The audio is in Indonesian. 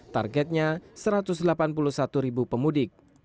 targetnya satu ratus delapan puluh satu ribu pemudik